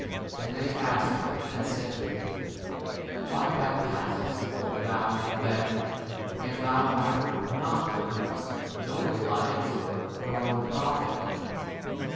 And they asked him and said to him, Why baptizest thou then, if thou * art not the Christ, nor Elias, nor 26 the prophet